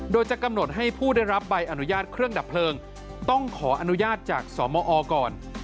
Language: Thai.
โดยจะกำหนดให้ผู้ได้รับใบอนุญาตเครื่องดับเพลิงต้องขออนุญาตจากสมอก่อน